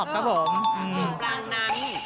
กลางนัด